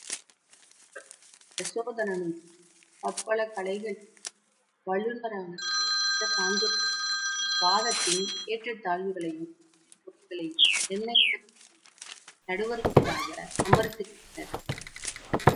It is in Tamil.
பிரச்சோதனனும், பற்பல கலைகளிலும் வல்லவரான வேறு சில சான்றோர்களும் வாதத்தின் ஏற்றத்தாழ்வுகளையும் வெற்றி தோல்விகளையும் நிர்ணயிப்பதற்குரிய நடுவர்களாக அமர்ந்திருந்தனர்.